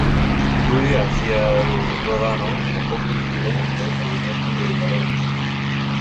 Fluye hacia el Ródano, a pocos kilómetros al norte de Valence.